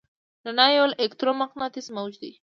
رڼا یو الکترومقناطیسي موج دی.